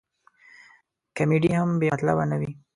کمیډي هم بې مطلبه نه وي.